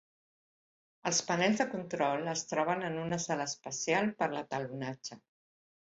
Els panels de control en troben en una sala especial per a l'etalonatge.